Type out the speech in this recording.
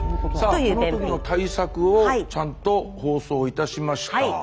このときの対策をちゃんと放送いたしました。